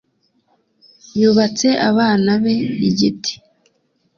yubatse abana be igiti.